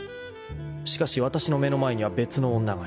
［しかしわたしの目の前には別の女がいる］